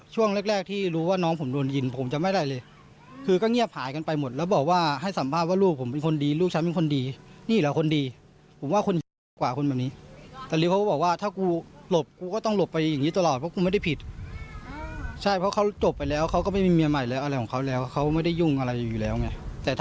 ช่วงแรกแรกที่รู้ว่าน้องผมโดนยิงผมจำไม่ได้เลยคือก็เงียบหายกันไปหมดแล้วบอกว่าให้สัมภาษณ์ว่าลูกผมเป็นคนดีลูกฉันเป็นคนดีนี่เหรอคนดีผมว่าคนเจ็บมากกว่าคนแบบนี้ตาลิวเขาก็บอกว่าถ้ากูหลบกูก็ต้องหลบไปอย่างนี้ตลอดเพราะกูไม่ได้ผิดใช่เพราะเขาจบไปแล้วเขาก็ไม่มีเมียใหม่แล้วอะไรของเขาแล้วเขาไม่ได้ยุ่งอะไรอยู่แล้วไง